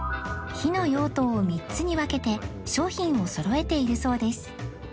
火の用途を３つに分けて商品をそろえているそうです